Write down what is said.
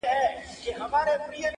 نسلونه تېرېږي بيا بيا تل-